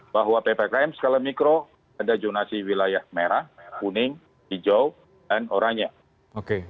bahwa ppkm skala mikro ada jonasi wilayah merah kuning hijau dan oranye